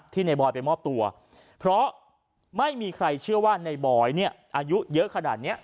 ในบอยไปมอบตัวเพราะไม่มีใครเชื่อว่าในบอยเนี่ยอายุเยอะขนาดนี้